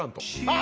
あ！